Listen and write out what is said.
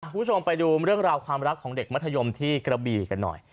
คุณผู้ชมไปดูเรื่องราวความรักของเด็กมัธยมที่กระบีกันหน่อย